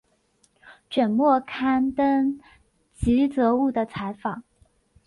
卷末刊登吉泽务的采访。